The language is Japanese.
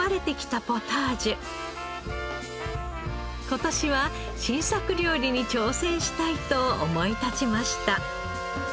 今年は新作料理に挑戦したいと思い立ちました。